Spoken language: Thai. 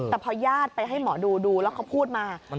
แต่พอญาติไปให้หมอดูดูแล้วเขาพูดมา